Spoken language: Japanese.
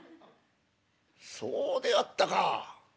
「そうであったか。